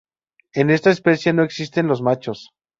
En esta especie no existen los machos.